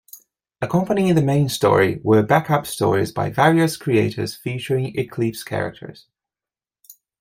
Accompanying the main story were back up stories by various creators featuring Eclipse characters.